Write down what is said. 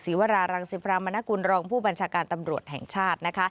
วรารังสิพรามนกุลรองผู้บัญชาการตำรวจแห่งชาติ